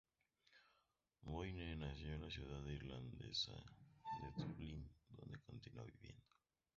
Boyne nació en la ciudad irlandesa de Dublín, donde continúa viviendo.